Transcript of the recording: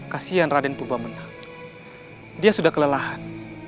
kasian raden purba menang dia sudah kelelahan